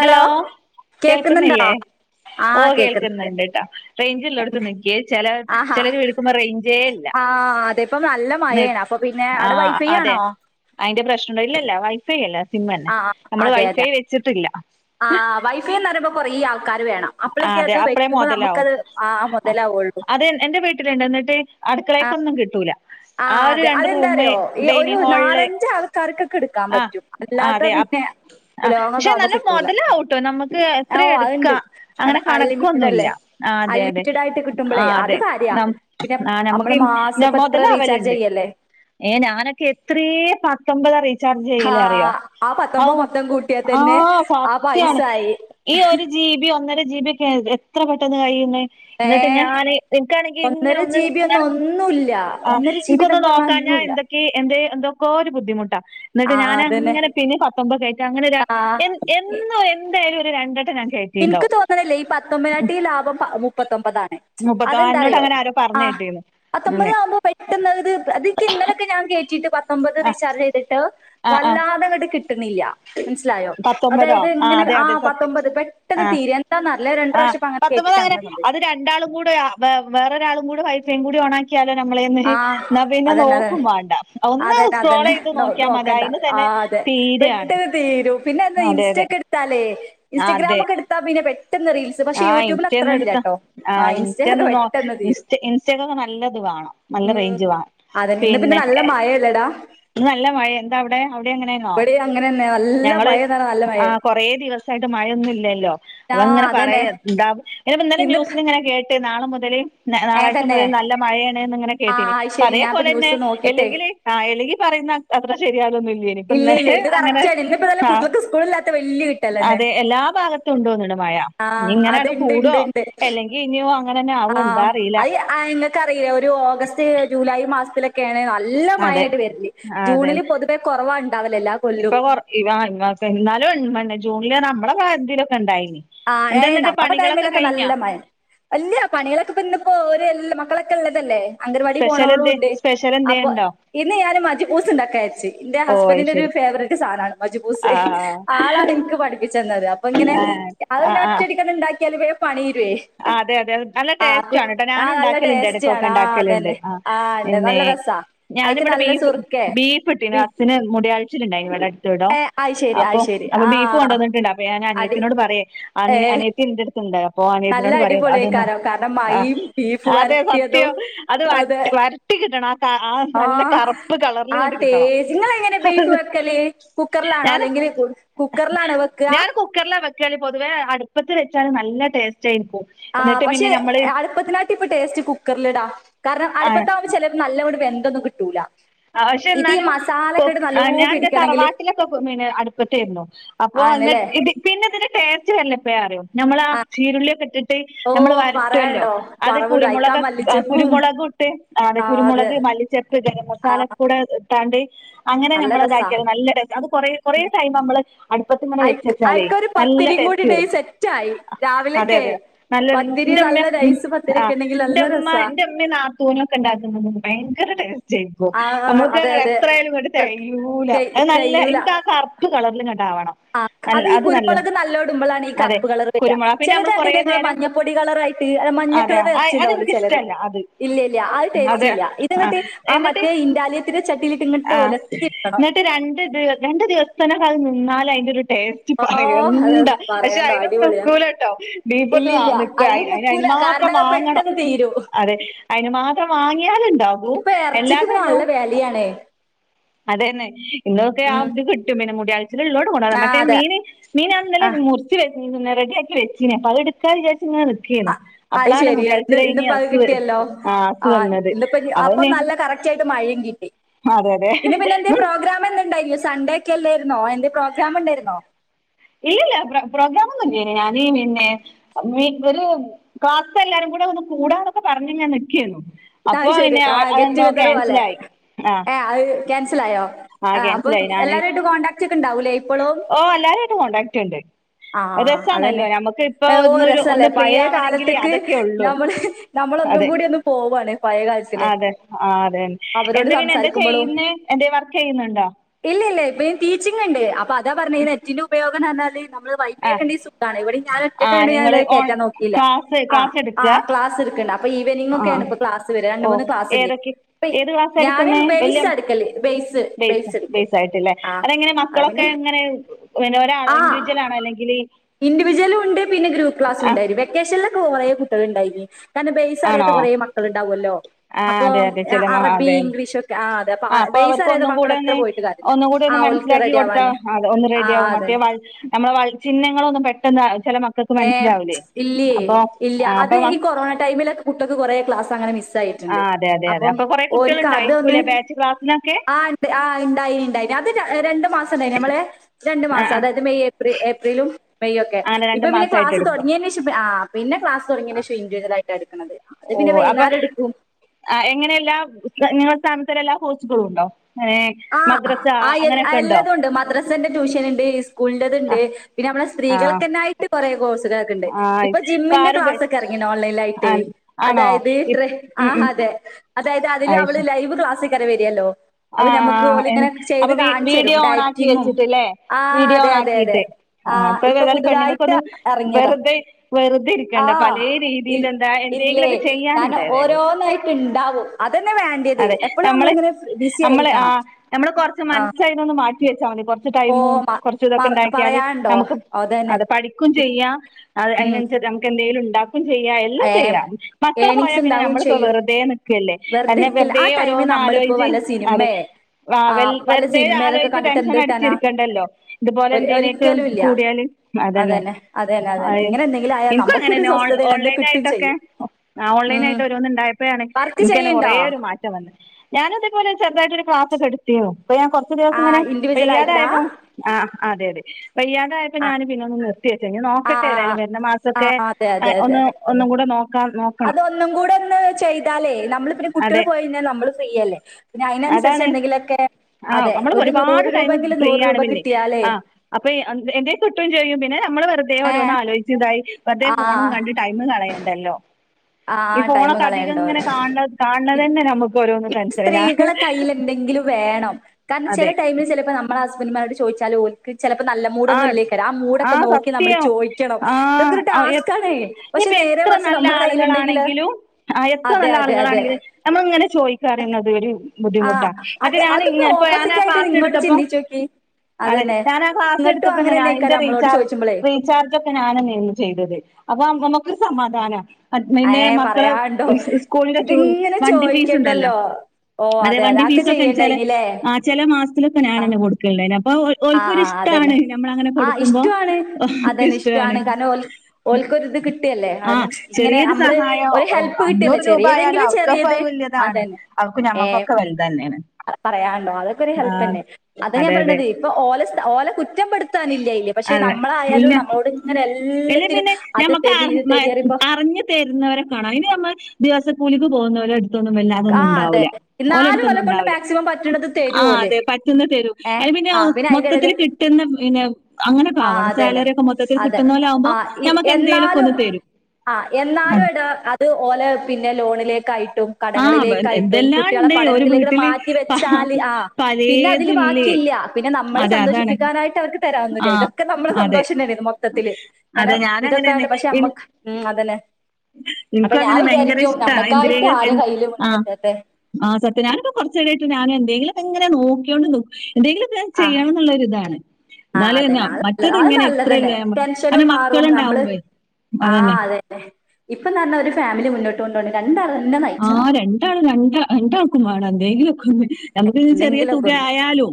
Hello കേക്കുന്നുണ്ടോ കേൾക്കുന്നില്ലേ ആ ഓ കേക്കുന്നുണ്ട് കേൾക്കുന്നുണ്ട്ട്ടോ റേഞ്ചിളളടുത്ത് നിക്കെ ചെല ആഹാ ചെലര് വിളി ക്കുമ്പം റൈഞ്ചേ ഇല്ല ആ അതെ ഇപ്പം നല്ല മയയാണ് അപ്പൊ പിന്നെ ആ അവടെ വൈഫൈ അതെ ആണോ അയിന്റെ പ്രശ്നുണ്ട് ഇല്ലില്ല വൈഫൈ അല്ല സിംമ് തന്നെ ആ നമ്മള് വൈഫൈ വെച്ചിട്ടില്ല ആഹ് വൈഫൈന്ന്റുമ്പോ കൊറേ ആൾക്കാര് വേണം ആ അപ്പളേക്കും അതെ അത് അപ്പളേ വയ്ക്കുമ്പോ മൊതലാവും നമുക്കത് ആ മൊതലാവുള്ളൂ അത് എന്റെ വീട്ടിലുണ്ട് എന്നിട്ട് അടുക്കളേയ്ക്കൊന്നും കിട്ടൂല ആ ആഹ് ഒരു അതെ രണ്ട് അതെന്താ റൂമ് അറിയോ ഈ ഒരു ഡൈനിങ് ഹോളില് നാലഞ്ച് ആൾക്കാർക്കൊക്കെ എടുക്കാൻ ആഹ് പറ്റും ആഹ് അല്ലാത്ത അതെ ആഹ് പിന്നെ അ ലോങ്ങൊക്കെ പക്ഷെ ആവുമ്പോ നല്ല കിട്ടൂല മൊതലാവൂട്ടോ നമുക്ക് ഓ എത്രേം അതുണ്ട് എടുക്കാം അങ്ങനെ കാരണം അൺലിമിറ്റഡ് കണക്കൊന്നുവില്ല അല്ലേ ആഹ് അതെ അതെ അൺലിമിറ്റഡ് ആയിട്ട് ആ കിട്ടുമ്പോളേ അത് അതെ കാര്യാ നമു പിന്നെ ആഹ് നമ്മള് നമ്മുക്ക് മാസം ആ ഇപ്പൊ മൊ എത്ര റീചാർജ് തലാവലുണ്ട് ചെയ്യല്ലേ ഏഹ് ഞാനൊക്കെ എത്രേ പത്തൊമ്പത് റീ ചാർജ് ആ ചെയ്യലാ അറിയോ ആ ഔ പത്തമ്മ മൊത്തം കൂട്ടിയാ തന്നെ ആഹ് ആ സത്യാണ് പൈസായി. ഈ ഒരു ജിബി ഒന്നര ജിബി ഒക്കെ എത്ര പെട്ടെന്നാ കഴിയുന്നേ ഏ എന്നിട്ട് ഞാന് നിനക്ക്ണെങ്കി ഒന്നര ഇങ്ങനെ ഒന്ന് ജി ബി ഒന്നും ഒന്നൂല്ല. ആഹ ഒന്നര ജി ബി എനിക്ക്ന്ന് എന്നൊക്കെ പറഞ്ഞാ നോക്കാ ഞാൽ. ഒന്നൂല്ല. ക്ക് എ എന്തൊക്കെ ഒരു ബുദ്ധിമുട്ടാ ആ എന്നിട്ട് അതന്നെ. ഞാനൻങ്ങനെ പിന്നെ പതൊമ്പത് കയറ്റ അങ്ങനെ ആ എന്നും എന്തായാലും ഒരു രണ്ടട്ടം ഞാൻ കേട്ടു. എനിക്ക് തോന്നണല്ലേ ഈ പത്തൊമ്പതാട്ടി ലാഭം മുപ്പത്തൊമ്പത ആാണ്. മുപ്പത്താ എന്നോട് അതെന്താറിയോ അങ്ങനെ ആരോ ആ് പറഞ്ഞ് കേട്ടീന്ന് പത്തൊമ്പത അങ്ങനെ പെട്ടന്ന് അത് അത്ഇന്നലക്കെ കേ് പത്തൊമ്പത് ആഹ് റീചാർജ് ചെയ്തിട്ട്. ആഹ് വൺ ആഹ് ലാ അതങ്ങട്ട് കിട്ടുന്നില്ല മനസിലായോ പത്തൊമ്പതോ അതായത് ആഹ് ഇങ്ങനെ അതെ ആ അതെ സത്യം പത്തൊമ്പത് പെ ആഹ് ആഹ് പത്തൊമ്പത് കേറ്റിയിട്ട് അങ്ങനെ സംഭവിച്ചത്. അ രണ്ടാളും കൂടെ വേ വേറൊരാളും കൂടി വൈഫൈയും കൂടി ഓണാക്കി യാലോ നമ്മളേന്ന് ആഹ് ഇന്നാ പിന്നെ അതന്നെ അതന്നെ നോക്കും മാണ്ട ഒന്ന് അതന്നെ അതന്നെ സ്ക്രോളെയ്ത് നോ നോക്കിയാ മതി നോക്കണ്ട അയിനു തന്നെ ആഹ് അതെ പെട്ടെ തീരാണ് ന്ന് തീരും പിന്നർഞ്ഞാ അതെ അതെ ഇൻസ്റ്റക്കെ ഇട്ത്താലെ അതെ ഇസ്റ്റാഗ്രാമൊക്കെ ഇടുത്താ പിന്നെ പെട്ടെന്ന് റീൽസ് പക്ഷെ ആഹ് യൂട്യൂബിൽ അത്ര ഇൻസ്റ്റയെന്നും എടുത്ത ഇല്ലട്ടോ ആഹ് ഇൻസ്റ്റയിലൊക്കെ ഇൻസ്റ്റന്ന് പെട്ടെന്ന് തീരും ഇസ് ഇൻസ്റ്റക്കൊക്കെ നല്ലത് വാണം. നല്ല ഉം റെയ്ഞ്ച് വാണം അതന്നെ ഇന്ന് പിന്നെ നല്ല എ മഴയല്ലേടാ ഇന്ന് നല്ല മഴ എന്താ അവിടെ? അവിടം അങ്ങനെയണോ? ഇവിടേം അങ്ങനെന്നെ നല്ല ഞങ്ങള് മഴന്ന് പറഞ്ഞാ നല്ല മഴ ആഹ് കൊറേ ദിവസാ രണ്ടീസായിട്ട് മഴയൊന്നും ഇല്ലല്ലോ? അപ്പ ആഹ് അങ്ങനെ പറയാ അതന്നെ എന്താ പിന്നെപ്പൊ ഇന്ന് ന്യൂസിലിങ്ങനെ കേട്ട് നാളെ മുതല് ഏഹ് ഞായറാഴ്ച തന്നെ മുതല് നല്ല മഴയാണ്ന്ന് ഇങ്ങനെ ആഹ് കേട്ടീനി അപ്പ അയ്ശരി ഞാൻപ്പൊ അതേപോലെന്നെ ന്യൂസ് നോക്കിട്ടേ എല്ലെങ്കില് ആഹ് എല്ലെങ്കി പറയുന്ന അത്ര ശരിയാവലൊന്നും ഇല്ലേനി ഇല്ല ഇല്ല ഇപ്പെന്നെലെ ഇത് അങ്ങനെ കറക്റ്റാണ് ഇന്നിപ്പോ നല്ല ആഹ് കുട്ടികൾക്ക് സ്കൂളില്ലാത്ത വല്യ കിട്ടലന്നെ അതെ എല്ലാ ഭാഗത്തും ഉണ്ടോന്ന്ണ് മഴ ഇഞ്ഞ് ആഹ് അത് ഇങ്ങനാണ്ട് ഇണ്ട് കൂടോ ഇണ്ട് ഇണ്ട് എല്ലെങ്കി ഇനിയും അങ്ങനെന്നെ ആവോ എന്താ അറീല്ല. അത് ആഹ് ഇങ്ങക്കറിയില്ലേ ഒരു ഓഗസ്റ്റ് ജൂലൈ മാസത്തിലൊക്കെ നല്ല അതെ മഴാട്ട് വെരല് അതെ ജൂണില് പൊതുവേ കൊറവ ഇണ്ടാവല് എല്ലാ കൊല്ലും. ഇങ്ങൊക്കെ എന്നാലും മെ ജൂണില് നമ്മളെ പതിയിലൊക്കെ ഉണ്ടായിന്. ആഹ് ഏയ് നമ്മടെ ടൈമിലൊക്കെ നല്ല മഴയാ ഇല്ല്യ പണികളൊക്കെ ഇന്ന് ഇപ്പോ ഓര് എല്ല മക്കളൊക്കെ ഇള്ളതല്ലേ? അംഗൻവാടി സ്പെഷ്യൽ പോണോളും എന്തെ ഇണ്ട് സ്പെഷ്യൽ എന്തേ അപ്പൊ ഉണ്ടോ ഇന്ന് ഞാന് മജ്ബൂസ് ഇണ്ടാക്ക വിജാര്ച്ച് ജന്റെ ഓ ഹസ്ബൻഡിന്റെ ഒരു അയ്ശരി ഫേവറേറ്റ് സാനാണ് മജ്ബൂസ് ആ ആളാണ് ഇൻക്ക് പഠിപ്പിച്ചെന്നത് അപ്പൊ ഇങ്ങനെ ആ അത് ആ പിന്നെ ഒറ്റടിക്കാണ്ട് ഇണ്ടാക്കിയാല് വേം പണി തീരുവേ ആഹ് അതെ അതെ നല്ല ആ കു ടേസ്റ്റുംവാണ് ട്ടോ ആ ഞാനും നല്ല ഇണ്ടാക്കലുണ്ട് ടേസ്റ്റ് ആണ് എടക്കൊക്കെ ആ ഇണ്ടാക്കല്ണ്ട് അതന്നെ ആഹ് ആ ഉണ്ട് നല്ല പിന്നെ. രസാ അയിക്ക് ഞാനിവിടെ നല്ല ബീഫ് സുർക്കെ ബീഫ് കിട്ടീണ് പി ഹസ്സിന് മുടിയാൾച്ചില്ണ്ടായിനി ഇവിടെ അട്ത്ത് എവ്ടോ ഏ അത് ശരി അപ്പൊ അത് ശരി അപ്പൊ ആ ബീഫ് കൊണ്ടുവന്നിട്ട്ണ്ട് അപ്പൊ ഞാന് അടി അനിയത്തിനോട് പറയേ ഏ അനി അനിയത്തി ഇന്റെ അട്ത്ത്ണ്ട് അപ്പോ അ നല്ല നിയത്തിനോട് പറയ് അതൊന്ന് അടിപൊളിയേക്കാരം കാരണം ആഹ് മയിം ബീഫ് അതെ വരട്ടിയതും സത്യം അത് അതെ വര ട്ടി കിട്ടണം ആഹ് ആ നല്ല കറുപ്പ് കളർല് ആ ഇങ്ങട്ട് കിട്ടണം. കുക്കർലാണോ ഞാന് അല്ലെങ്കില് കുക്കറിലാണോ വെക്ക? കുക്കർലാ വെക്കല് പൊതുവേ അടുപ്പത്ത് വെച്ചാല് നല്ല ടേസ്റ്റായിരിക്കും. ആഹ് എന്നിട്ട് പക്ഷെ പിന്നെ നമ്മള് അട്‌പ്പത്തിനാ ട്ടും ഇപ്പ ടേസ്റ്റ് കുക്കറിലിടാ കാരണം ആണ് അടുപ്പത്താകുമ്പോ ചെലേപ്പം നല്ലോം ഇങ്ങട്ട് വെന്തൊന്നും കിട്ടൂല. ആഹ് പക്ഷെ ഇത് ഈ എന്നാലും കൊ മസാലൊക്കെ ഇട്ട് ആഹ് നല്ലോം ഞാൻ ഇന്റെ പിടിക്കണെങ്കില് തറവാട്ടിലൊക്കെ പിന്നെ അടുപ്പത്തേരുന്നു അപ്പൊ ആണ്ല്ലേ എന്ന്ട്ട് ഇതി പിന്നെ ഇതിന്റെ ടേസ്റ്റ് വരല് എപ്പയാ അറിയോ? നമ്മള് ആ ചീരുള്ളിയൊക്കെ ഇട്ട് ട്ട് ഓ നമ്മള് വരട്ടുവല്ലോ പറയാണ്ടോ അത് വറവിടും അയ്ക്കാ കുരുമുളക് മല്ലിച്ചപ്പും കുരുമുളക് ഇട്ട് ആഹ് അതെ കുരുമുളക്, മല്ലിച്ചെപ്പ്, ഗരം ആ മസാലക്കെ കൂടെ ഇട്ടാണ്ട്. അങ്ങനെ നല്ല രസാ നമ്മള്താക്കിയല് നല്ല ടേസ്റ്റാ അത് കൊറേ കൊറേ ടൈം നമ്മള് അടുപ്പത്തിങ്ങനെ വെച്ച് അയ്ക്ക് വച്ചാലേ അയ്ക്കൊരു നല്ല പത്തിരിയും കൂടി ടേസ്റ്റ് ഇടേൽ വരും സെറ്റായി അതെ രാവിലെക്കെ അതെ നല്ല ടേസ്റ്റ് പത്തിരി നല്ല ഇന്റെമ്മയൊ നൈസ് പത്തിരിയൊക്കെ ആഹ് ഉണ്ടെങ്കിൽ നല്ല ഇന്റെമ്മ രസാ ഇന്റെ ഇമ്മിം, നാത്തൂനൊക്കെ ഇണ്ടാക്കുന്നത് ഭയങ്കര ടേസ്റ്റ അയിന് ആ നമുക്ക് അതെ ഇങ്ങട്ട് അതെ എത്രായാലും ഇങ്ങട്ട് പ്ര തെയ്യൂല തെയ് അത് നല്ല ഇൻക്ക് ആഹ് കറു പ്പ് കളറ്ല് ഇങ്ങട്ടാവണം. ആഹ് അത് ഈ കുരുമുളക് നല്ലോ ഇടുമ്പളാണ് ഈ അതെ കറുപ്പ് കളർ വെര കുരുമുളക് പിന്നെ ചെലത് നമ്മള് കൊറേ കണ്ടില്ലേ ഇങ്ങള് നേരം മഞ്ഞപ്പൊടി കളറായിട്ട് അതെ മഞ്ഞക്കളറ് എറച്ചിണ്ടാവൊല്ലോ ചെലത്? അതെനിക്കിഷ്ടല്ല അത് ഇല്ല്യല്ല അത് ടേസ്റ്റ് അതെ ഇല്ല്യ ഇത് ഇങ്ങട്ട് ആഹ് മറ്റേ ഇന്റാലിയ ത്തിന്റെ ചട്ടീല് ആഹ്, എന്നിട്ട് രണ്ട് രണ്ട ദിവസനൊക്കെ അത്, നിന്നാല അയിന്റെ ഒരു ടേസ്റ്റ്. റ്റ ആ അത് പറയണ്ട. പക്ഷെ പറയണ്ട അയിനോന്നും അടിപൊളിയാ നക്കൂല കേട്ടോ, ബീഫ് ഇല്ല ഒന്ന് ഇല്ല നക്ക അതിൽ അതിന് നിക്കൂല മാത്രം കാരണം അത് വാങ്ങണം. പെട്ടെന്ന് തീരും അതെ അതിന് മാത്രം വാങ്ങിയാല ഉണ്ടാവൂ, എല്ലാതന്നു വെലി ആണ്. അതെ ന്നെ, ഇന്നൊക്കെ ആഹ് ഉം അവധ കിട്ടും പിന്നെ, മുടിയൾ ള്ളോണ്ട് കൊണ്ടോയതാണ്. ആ മറ്റേ അതെ മീന് മീൻ, ഞാൻ ആ ഇന്നലെ മുറിച് ർച്ചു വെച്ചീന്, റെഡിയാക്കി വെച്ചീന്. അപ്പൊ, അത് എടുക്കാ വിചാരിച്ചു ങ്ങനെ ക്കെന്നു അത് അപ്പോളാണ് മുടി ശരിയാ ഇന്ന് കളച്ചിൽ കഴിഞ് ഇന്നിപ്പോ അത് അസു, കിട്ടിയല്ലോ ആഹ്, അസു വന്നത്. അപ്പൊ പിന്നെ ഉച്ചയിട്ട് മഴയും കിട്ടി. അഹ്, അതെ, അതെ ഇന്ന് പിന്നെ എന്തെ, പ്രോഗ്രാം എന്തെ ണ്ടായിന്നോ, സൺഡേ ഒക്കെ അല്ലായിരുന്നോ? എന്തെ പ്രോഗ്രാം ഉണ്ടരുന്നോ? ഇല്ലി ല്ല പ്ര, പ്രോഗ്രാം ഒന്നും ഇല്ലയിന് ഞാനീ പിന്നെ അന്ന്, ഇവല് ക്ലാസ്ത്തെ എല്ലാരും കൂടെ ഒന്ന് കൂടാന്നൊക്കെ, പറഞ് ങ്ങനെ നിൽകനു. അപ്പൊ, അത് ശരി പിന്നെ ആ അത് അതെ ഗെറ്റ് ന്തോ ടുഗദർ ക്യാൻസല പോലെ ആയി. ഏ അത് ക്യാൻസൽ ആയോ? ആ ആഹ്, അപ്പൊ ക്യാൻസലായി ഞാന് എല്ലാവരുമായിട്ടും കോൺടാക്റ്റ് ഒക്കെ ണ്ടാവൂലേ ഇപ്പോളും. കോൺടാക്ട് ഉണ്ട്. ആഹ്, അതന്നെ, രസാണല്ലോ നമുക്ക് ഇപ്പൊ ഏ ഓ ഒന്നൊരു രസല്ലേ. ഒന്ന് ഫ്രീ പഴയ ആവണെങ്കില് കാലത്തക്ക് അതൊക്കെ ഉള്ളൂ നമ്മള്. നമ്മള് ഒന്നും അതെ കൂടി ഒന്ന് പോവാണ്. പഴയ അതെ, കാലത്തിലേക്ക് ആഹ്, അതെന്നെ, അവരോട് എന്താ, പിന്നെ, എന്താ സംസാരിക്കുമ്പോഴും ചെയ്യുന്ന എന്ത വർക്ക് ചെയ്യുന്നുണ്ടോ? ഇല്ല, ഇല്ല ഇപ്പ ടീച്ചിങ് ഉണ്ട്, അപ്പൊ അതാ പറഞ് ഈ നെറ്റിന്റെ ഉപയോഗംന്ന് പറഞ്ഞാല്. നമ്മള് വൈഫൈ ആ യൊക്കെ ണ്ട സുഗണ്. ഇവി ടെ ഞാൻ ആ ഒറ്റക് ആയോണ്ട് ഞാൻ അത് നിങ്ങള് ഓൺ കേറ്റാൻ നോക്കില. ക്ലാസ് ആഹ്, ക്ലാസ് എടുക്കുക ആഹ് ക്ലാസ ടുക്കണ്ട്. അപ്പ ഈവനിംഗങ് ആ ഒക്കെ യാണ് ഇപ്പൊ, ക്ലാസ്. രണ്ട് ഓ മൂന്ന് ക്ലാസ് ഇണ്ട്. ഏതൊക്കെ പ്പ ഏത് ക്ലാസ്സാ ഞാനും എടുക്കുന്നേ ബേയ് സ് എടുക്കല്, ബയ്സ് ബേയ്സ് എടുക്കും. യിട്ടല്ലേ. ആ അതെ ങ്ങനെ അത് മക്കളൊക്കെ പിന്നെ ഇങ്ങനെ പിന്നെ ഒരാളോ ഇൻറിവിജ്വൽ ആണോ? അല്ലെങ്കിൽ ഇൻഡിവിജ്വല ഉണ്ട്. പിന്നെ ഗ്രൂപ്പ് ക്ലാസ്സ ആ ഉണ്ടരുന്നു. വെക്കേഷ നിലൊക്കെ കുറെ കുട്ടികൾ ഉണ്ടായിരുന്നു. കാരണം ബേസ് ആണോ അറിയാത്ത കുറേ മക്കൾ ഉണ്ടാവുമല്ലോ? അപ്പൊ, അറബി ഇംഗ്ലീഷ് ഒക്കെ ആ അതെ ആഹ്, അപ്പൊ ബേസ് അവർക്ക് അറിയാത്ത ഒന്നും മക്കൾ കൂടെ എത്ര ഒന്ന് പോയിട്ട് കാര്യമില്ല ഒന്നും കൂടെ ആ ഒന്ന് ഓൽക്ക് മനസ്സിലാക്കി റെഡി കൊടുത്ത ആവാന് അത ഒന്ന് ആ റെഡി ആകും. അതെ മറ്റേ വൾ, നമ്മള വൾ ചിഹ്നങ്ങളൊന്നും പെട്ടെന്ന് ചില മ ഏ ഇല്യേ, ഇല്ല. ആ അത് അപ്പൊ മ ഈ കൊറോണ ടൈമിലൊക്കെ, കുട്ട്യേക്ക് കൊറേ ക്ലാസ് അങ്ങനെ മിസ് ആ ട്ട്ണ്ട്. അതെ അതെ അതെ അപ്പം അപ്പൊ കൊറേ കുട്ടികൾ ഓർക്ക് അത് ഒന്ന്. ഉണ്ടായിരിക്കൂലേ ബാച്ച് ക്ലാസ്സിനൊക്കെ ആഹ്, ആഹ്, ഇണ്ടായിന്, ഇണ്ടായിന് അത് രണ്ടു മാസ മാസ ണ്ടായിന്, നമ്മള്, രണ്ടു ആ മാസം ആ അതായത് മെയ് ഏപ്ര ഏപ്രിലും, മെയ് ഒക്കെ. അങ്ങനെ ഇപ്പ, രണ്ടു പിന്നെ, മാസമായിട്ട് ക്ലാസ് എടുക്കും തുടങ്ങിയന് ശ ആഹ്, പിന്നെ ക്ലാസ് തുടങ്ങിയതിന് ശേഷം, ഇൻഡവിജൽ ആയിട്ട് എടുക്കണത്. അത് പിന്നെ, വൈന്നേരം എടുക്കും. ആഹ്, എങ്ങനെ എല്ലാ നിങ്ങളുടെ സ്ഥാനത്ത് എല്ലാ ഹോസ്റ്ററ്റുകളും ഉണ്ടോ? ഏ മദ്രസ, അങ്ങനെയൊക്ക ണ്ടോ? മദ്രസന്റെ ട്യൂഷൻ ഉണ്ട്, സ് സ്കൂളിന്റെത് ആ ഇണ്ട്, പിന്നെ നമ്മുടെ ആ സ്ത്രീകൾക്ക് തന്നൊയിട്ട് കുറെ കോഴ്സുകളൊക്ക ഉണ്ട്. ആ ഇപ്പൊ ഇപ്പ ജിമ്മിന്റെ ആരും ക്ലാസ്. എറങ്ങീണ് ഓൺ ലൈൻ ആ ആയിട്ട്. ആണോ അതയത് ഇ ട്ര ഉം ആഹ്, ഉം അതെ, അതായത് അതില് അത് അവള് ശരി ലൈവ് ക്ലാസ. ക്ക വരല്ലോ? അപ നമുക് ആഹ് എ ഓല്ങ്ങനെ ചെയ്ത് അപ്പൊ വീ കാണിച് തരും, വീഡിയോ ഓണാക്കി ഡറ്റിങ്ങും വെച്ചിട്ട്ല്ലേ ആഹ്, വീഡിയോ അതെ, അതെ, അതെ. ഓണാക്കിട്ട് ആഹ്, ഇപ്പൊ ഇപ്പ, ഏതായാലും പുതുതായിട്ട് പെണ്ണുങ്ങൾക്കൊന്നും ഇറങ്ങിയതാ. വെറുതെ വെറുതെ ഇരിക്കണ്ട ആഹ്. പലേ ഇ രീതിയിലും എന്താ ഇല്ലേ, എന്തെങ്കിലൊക്കെ ചെയ്യാനുണ്ട് കാരണം ഏതായാലും ഓരോന്നായിട്ട് ഉണ്ടാവും. അതന്നെ വേണ്ടിയത് എപ്പോഴും നമ്മളിങ്ങനെ ബിസി നമ്മളെ ആയിരിക്കണം ആഹ്, നമ്മള് കുറച്ച് ആ മനസ് അ തിനൊന്ന് മാറ്റി വെച്ചാൽ മതി. കൊറ ച്ച് ഓ ടൈമും മ കൊർച് ഇതോക്ക പറ ഇണ്ടാക്കിയാല് പറയാണ്ടോ? നമുക്ക് അതന്നെ. അതെ പഠി ക്കും ചെയ്യാം അത് ഉം അഴിനൻസര്ച്ച് നമുക്ക് എന്തെലും ഇണ്ട ക്കും ചെയ്യ എല്ലം ഏഹ് ചെയ്യാ മക്കള് പോയാ ഏർണിങ്സ് പിന്നെ ഇണ്ടാവും നമ്മള് പ്പ ചെയ്യും. വെറ്തെ നി ക്കല്ലേ എന്നാ വെറ്തെ ഓരോന്ന് ആലോയിച്ച് മ്മേ ആ വെൽ വെർതെ ആലോയ്‌ച്ച് ടെൻഷൻ കിട്ടാനാ? അടിച്ചിരിക്കണ്ടല്ലോ ഇതുപോലെ ഒരി എന്ത്നേക്ക് ഒരിക്കലും ഇല്ല. കൂടിയാല് അതന്നെ അതന്നെ അതന്നെ. അയ് ഇങ്ങനെ എന്തെങ്കിലും ആയാൽ ഇൻക്കും നമുക്കൊരു അങ്ങനെന്നെ ഓൺ സ്വസ്ഥതേണ് എന്തേ ഓൺലൈൻ കിട്ടും ആയിട്ടൊക്കെ ചെയ്യും. ആ ഉം ഓൺലൈനായിട്ട് ഓരോന്ന് ഇണ്ടായപ്പയാണ് വർക്ക് ഇൻക്കന്നെ കോറേ ചെയ്യ്ണ്ടോ? ഒര് മാ വന്ന് ഞാനു ഇതെ പൊലെ ചെർതായിട്ടൊരു ക്ലാസ്സക്കേ ഇട്ത്തീന്നു ഇപ്പ ഞാൻ കൊർ ർച്ച് ദിവസം ഇങ്ങനെ ആഹ് ഇൻഡിവിജ്വൽ ആയിട്ടാ? വയ്യാതായപ്പം ആ അതെ അതെ വയ്യാതായപ്പ ആഹ് ഞാന് പിന്നെ നിർ ത്തി വെച്ച് ഇഞ് നോക്കട്ടെ ആഹ് ഏതായാലും വര്ന മാസോക്കെ ആഹ് അ ഒന്ന് ഒന്നും കൂടെ നോക്കാം നോ അത് ഒന്നും കൂടെ ഒന്ന് ചെയ്താലേ നമ്മള് പിന്നെ കുട്ടിയള് അതെ പോയി കയിഞ്ഞാ നമ്മള് ഫ്രീ അല്ലേ പിന്നെ അയിനൻസര്ച്ച് അതാണ് എന്തെങ്കിലോക്കെ ആ അതെ നമ്മള് ഒരു ഒരുപാട് നൂറ് രൂബെങ്കില് നൂറ് രൂപ കിട്ടിയാലേ അപ്പയ്‌ അ എന്തെ കിട്ടും ചെയ്യും പിന്നെ നമ്മള് വെർതെ ഓരോന്ന് ഏഹ് ആലോയ്ച് ഇതായി വെർതെ ഫോണും ആഹ് കണ്ട് ടൈമ് കളയണ്ടല്ലോ ഈ ആഹ് ടൈമ് ഫോണൊക്ക അധികം കളയണ്ട. ഇങ്ങനെ കാൺണ ഇപ് കാൺണതന്നെ നമ്മുക്ക് ഓരോന്ന് ഇപ്പ ട്ടെ സ്ത്രീകളെ കയ്യില് എന്തങ്കിലും വേണം കാര്ണം ചെല അതെ ടൈമില് ചെലപ്പൊ നമ്മള ഹസ്ബൻഡുമാരോട് ചോയിച്ചാല് ഓൽ ക്ക് ചെലപ്പം നല്ല ആ മൂടന്നും അല്ലയ്‌ക്കാരം ആ മൂടക്ക നോക്കി നമ്മള് ചോയിക്കണം ഇതക്ക ഒരു ടാസ്ക് ആണേ ഇഞ്ഞിപ്പ എത്ര നല്ല ആള്കളാണെങ്കിലും ആ എത്ര അതെ നല്ല അതെ അതെ. ആളുകളാണെങ്കിലും നമ്മള് ഇങ്ങനെ ചോയിക്കാ പറിണത് ഒര് ആ ബുദ്ധിമുട്ട അത് ഞാന് ഇങ അതിപ്പോ ഇപ്പ ഞാന് ഓപ്പോസിറ്റ് ആ ആയിട്ട് ക്ലാസ് ഇങ്ങോട്ട് എടുത്തപ്പം ചിന്തിച്ചോക്കി അതെ അതന്നെ ഞാന ആ ക്ലാസ് ഇങ്ങട്ടും എടുത്തപ്പന്നെ ഞാ അയിന്റെ അങ്ങനെന്നേക്കാരം നമ്മളോട് റീചാർജ് ചോദിച്ചുമ്പളേ റി റീച്ചാർജക്കെ ഞാനന്നെനി ചെയ്തത് അപ്പ നമ്മക്ക് ഒര് സമാധാനാ ഏ പിന്നെ മക്കളെ പറയാണ്ടോ ഇസ്‌ ഇസ്കൂളിലെ ട്യൂ ഇതിങ്ങനെ വണ്ടി ഫീസ് ഇണ്ടല്ലോ ചോദിക്കണ്ടല്ലോ ഓ അതെ വണ്ടി അതൊക്കെ ഫീസൊക്കെ ചേലെ ചെയ്യണ്ടായിനില്ലേ ആ ചെലെ മാസ്ത്തിലോക്കെ ആ ഞാനന്നെ കൊട്ക്കല്ണ്ടായിനിയെ അപ്പം ഓൽ ആ ആ ഓൽക്കൊരിഷ് ഷ്ടാണ് അതന്നെ ഞമ്മള അങ്ങന ആ കൊടുക്കുമ്പോ ഇഷ്ടുവാണ് ഓൽക്ക് അതന്നെ ഇഷ്ടാണ് ഇഷ്ടുവാണ് കാരണം ഓൽ ഓൽക്കൊരിത് കിട്ടിയല്ലേ ആ കാരണം ഇങ്ങനെ ചെറീരു നമ്മള് സഹായം ഒരു ഹെൽപ്പ് കിട്ടിയല്ലേ അഞ്ഞൂറ് രൂപ ആയാലും ചെറിയതെങ്കിലും അവർക്കപ്പ ചെറിയത് അത് വല്ല്യതാണ് അതന്നെ അവർക്കും ഏ ഞമ്മക്കോക്ക വൽതന്നെണ് പറയാണ്ടോ അതക്കോര് ഹെൽപല്ലേ അതാ ഞാൻ അതെ അതെ പറിണത് ഇപ്പ ഓല ഓല കുറ്റപ്പെട്ത്താനില്ലയില് പക്ഷേ അതെ ഇല്ല നമ്മളായാലും നമ്മളോട് ഇങ്ങനെ ഇല്ലേ എല്ലത്തിനും പിന്നെ അത് തെരി ഇത് തെരി പറയുമ്പം തര്ന്ന വരെ കാണാം അയിന് നമ്മള് ദിവസ കൂലിക്ക് പോവുന്നവരെ ത്തൊന്നും ആ വല്ലതൊന്നും അതെ ഇണ്ടാവൂല ഓല എന്നാലും എട്ത്തൊന്നും ഓലെ കൊണ്ട് ഇണ്ടാവുല മാക്സിമം പറ്റണത് ആ തരും ഓല് അതെ പറ്റുന്ന തരും ഏഹ് അത് പിന്നെ ആ അയിന്റെ എടേല് മൊത്തത്തില് കിട്ട്ന്ന പിന്നെ അങ്ങനക്ക ആ ആവണം അതന്നെ സാലറി ഒക്ക മൊത്തത്തില് കി അതെ ആ എ എന്നാലും ആ എന്നാലും ഇത് അ ത് ഓലെ പിന്നെ ലോണിലേക്കായിട്ടും ആഹ് കടങ്ങളിലേക്കായിട്ടും എന്തെല്ലാം കുട്ടിയള ഉണ്ട് ഒരു പഠനത്ത്ലേക് വീട്ടില് മാറ്റി പ വെച്ചാല് ആ പിന്നെ അതില് ബാക്കി പലേതുല്ലേ ഇല്ല്യ പിന്നെ നമ്മള അതെ അതാണ് സന്തോഷിപ്പക്കാനായിട്ട് അവര്ക്ക് തരാവുന്നില്ലേ ആഹ് ഇതൊക്ക നമ്മള അതെ സന്തോഷന്നെണ് മൊത്തത്തില് അതെ കാര്ണം ഇതൊക്കാട്ട് ഞാനങ്ങനെന്നെ പക്ഷെ അമ്മക്ക് ഉം അതന്നെ അപ്പൊ ഇൻക്കു ഞാൻ അങ്ങന ഭയങ്കര വിചാരിക്കും ഇഷ്ടാ നമ്മക്കായിട്ട് എന്ത്‌ലെങ്കിലൊക്കെ എൻ ആരും കയ്യില് ആ മുന്നിലെത്തട്ടെ ആ സത്യം ഞാനിപ്പ കൊർച്ചാലായിട്ട് ഞാന് എന്തേങ്കിലൊക്കെ ഇങ്ങനെ നോക്ക്യോണ്ട് നിക് എന്തെങ്കിലും ല്ലം ആ ചെയ്യണം ന്ന്ള്ളര് ഇതാണ് ആഹ് ന്നാലന്ന അതന്നെ അത് നല്ലത് മറ്റത് അത് ഇങ്ങനെ നല്ലതന്നെ എത്രല്ല്യാ നമ്മ അന ടെൻഷനും മക്കള്ണ്ടാവുമ്പെ അതന്നെ ഇപ്പന്നർഞാ ഒരു ഫാമിലി മുന്നോട്ട് കൊണ്ടോണെ രണ്ടാളന്നെ നയിച്ചണം എന്താലംരണ്ട രണ്ടാക്കും വേണം ന്തലക്കുന്നു നമുക്ക് ചെറിയ തുക ആയാലും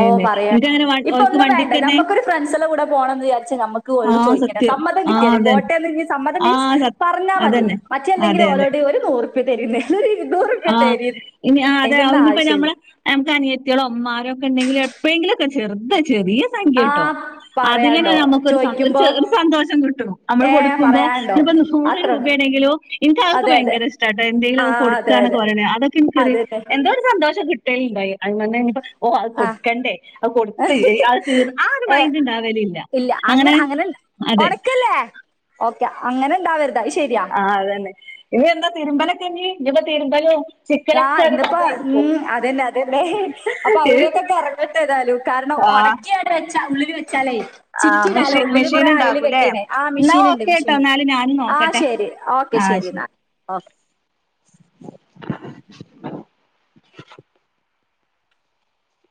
ഓ പറിയ എനിക്കങ്ങനെ വ ഇപ്പ ഓർക്ക് ഒന്നും വേണ്ട വണ്ടിക്കന്നെ നമ്മുക്കൊരു ഫ്രണ്ട്സല്ലാം കൂട പോണംന്ന് വിചാരിച്ചനമക്ക് ക ഔട് ആ ചോദിക്ക സത്യം ആ സമ്മതംകിട്ടിയത് അതെ പോട്ടയന്ന് സമ്മത ആ മീൻസ് സ പറഞ്ഞാ മതി അതന്നെ മറ്റെല്ലെങ്കില അതെ അതെ. ഓളെ ട് ഒര് നൂറുപി തരീന്ന് ങ്ഹ് ഇരുന്നൂറുപി ആഹ് തരി അതിന്റെ ഒന്നും ആവശ്യല്ല നമക്ക് അനിയത്തിയളോ ഉമ്മ രെ ക്കെണ്ടെങ്കിലും എപ്പ യങ്കിലുംക്കെ ചെറുത ചെറിയ ചെറിയ സഖ്ട്ടോ ആഹ് അതിൽന്ന പറയാണ്ടോ നമക്ക് ചോയിക്കുമ്പോ ര്സന്തോഷം കിട്ടും നമ്മള് ഏഹ് കൊടുക്കുമ്പോ പറയാണ്ടോ ഇപ്പോ നൂറ് അത്രള്ളൂ രൂപയണെങ്കലോ ഇന്റെ ആൾക്ക് അതെ അതെ ഭയങ്കര ഇഷ്ടട്ട എന്തെലും ആഹ് കൊട് അതെ അതെ [unintelligible] അതൊക്കെ ഇൻക്കൊരു അതന്നെ എന്തോ ഒരു സന്തോഷം കിട്ടല്ണ്ടായി അയിമെന്ന് ഇഞ്ഞ് ഇപ്പ ഓഹ് അത് ആഹ് കൊടുക്കണ്ടേ അത് കൊടുത്ത് അത് തീ ആ ഒരു ഏ മൈന്റ് ഇണ്ടാവലില്ല, അങ്ങനെ അതെ ഒണക്കല്ലേ ഓക്കെ അങ്ങനെ ഇണ്ടാവര്തെ അഹ് ശെരിയാ ആഹ് അതന്നെ ഇനി എന്താ തിര്മ്പലൊക്കെ ഇനി, ഇനി ഇപ്പ തിര്മ്പലും ആഹ് ഇന്ന്പ്പ ഉം അതന്നെ അതന്നെ ഹെ ഹെ അപ്പ കഥയായിരിക്കും അതിലേക്കെക്ക എറ ങ്ങട്ടെ ഏതാലു കാരണം ആഹ് ഒണക്കി ആണ്ട് വെച്ച ഉള്ളില് വെച്ചാലേ ആഹ് ചിക്കിടാല്ലോ മെഷീൻ ഉള്ളില് മെഷീൻ കൊറേ അയല് ഉണ്ടാകൂല്ലേ കെട്ടീണ്. ആ എന്നാ മിഷീന് ഇണ്ട് ഓക്കെ മിഷീന് ട്ടോ ഇണ്ട് എന്നാല് ഞാനും ആഹ് നോക്കട്ടെ ശെരി ഓ ക്കെ ആഹ് ശെരി ശരി ഇന്നാ ഓക്കെ.